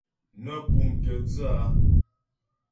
Nə́ pʉ́mtə̀ dhə́ a.